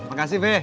terima kasih fih